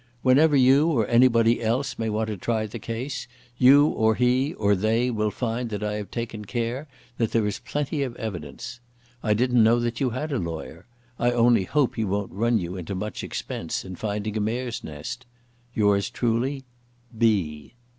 Whenever you or anybody else may want to try the case, you or he or they will find that I have taken care that there is plenty of evidence. I didn't know that you had a lawyer. I only hope he won't run you into much expense in finding a mare's nest. "Yours truly, "B."